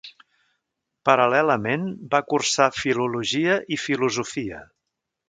Paral·lelament va cursar filologia i filosofia.